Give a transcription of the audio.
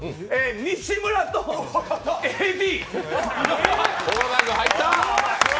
西村とＡＤ！